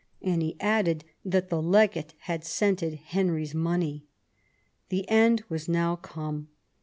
" And he added that the legate had scented Henry's money." The end was now come.